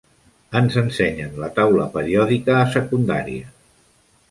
Ens ensenyen la taula periòdica a secundària.